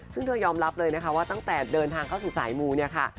ซึ่งเธอยอมรับเลยนะคะว่าตั้งแต่เดินทางเข้าสู่สายมูเนี่ยค่ะ